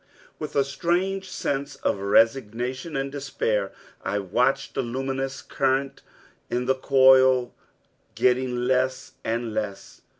With a strange sense of resignation and despair, I watched the luminous current in the coil getting less and less.